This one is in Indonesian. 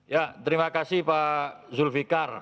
ya terima kasih pak zulfikar